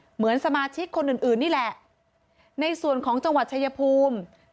เหมือนสมาชิกคนอื่นนี่แหละในส่วนของจังหวัดชายภูมิ